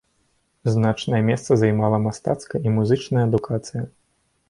Значнае месца займала мастацкая і музычная адукацыя.